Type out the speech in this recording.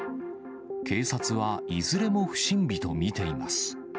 警察は、いずれも不審火と見ています。